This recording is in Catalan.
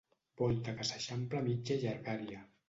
Volta que s'eixampla a mitja llargària.